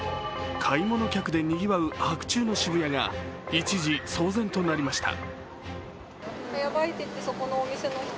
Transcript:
買い物客でにぎわう白昼の渋谷が一時、騒然となりました。